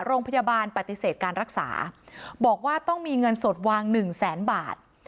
โรงพยาบาลปฏิเสธการรักษาบอกว่าต้องมีเงินสดวางหนึ่งแสนบาท